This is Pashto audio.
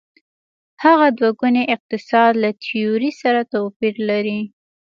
هغه دوه ګونی اقتصاد له تیورۍ سره توپیر لري.